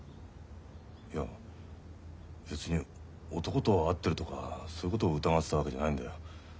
いや別に男と会ってるとかそういうことを疑ってたわけじゃないんだよ。